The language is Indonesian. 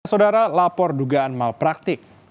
saudara saudara lapor dugaan malapraktik